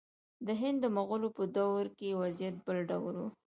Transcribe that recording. د هند د مغولو په دور کې وضعیت بل ډول و.